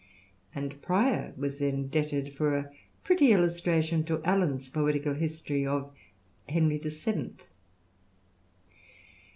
— And Prior was indebted for a pretty illustration ^^ Alleyne's poetical history of Henry the Seventh.